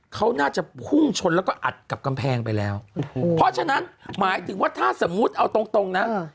เขาน่าจะพุ่งชนแล้วก็อัดกับกำแพงไปแล้วเพราะฉะนั้นหมายถึงว่าถ้าสมมุติเอาตรงตรงนะ